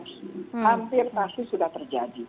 hampir pasti sudah terjadi